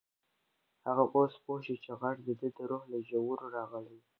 هغه اوس پوه شو چې غږ د ده د روح له ژورو راغلی و.